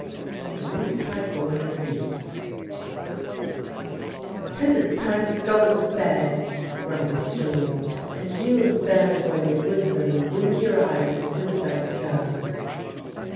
THE MINCE PIE BOY AND THE BEASTS. "'Tisn't time to go to bed," grumbled Joel; "and you and Ben are going to whisper and wink your eyes as soon as I go."